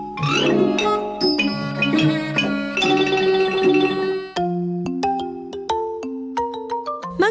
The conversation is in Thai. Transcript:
มะกรูดเชื่อม